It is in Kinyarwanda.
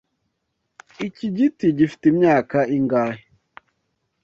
Iki giti gifite imyaka ingahe?